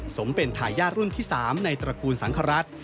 สมเป็นทายาทรุ่นที่๓ในตระกูลสังครัฐ